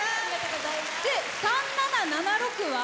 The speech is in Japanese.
３７７６は？